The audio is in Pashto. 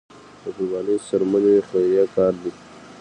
د قربانۍ څرمنې خیریه کار دی